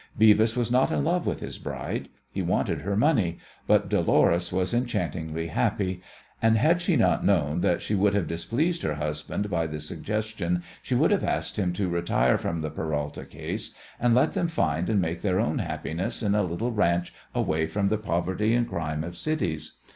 Beavis was not in love with his bride. He wanted her money, but Dolores was enchantingly happy, and had she not known that she would have displeased her husband by the suggestion she would have asked him to retire from the Peralta case and let them find and make their own happiness in a little ranch away from the poverty and crimes of cities.